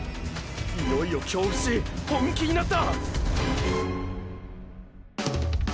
いよいよ京伏本気になった！！